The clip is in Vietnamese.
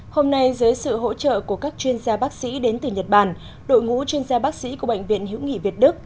hôm nay dưới sự hỗ trợ của các chuyên gia bác sĩ đến từ nhật bản đội ngũ chuyên gia bác sĩ của bệnh viện hữu nghị việt đức